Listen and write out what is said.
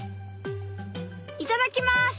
いただきます！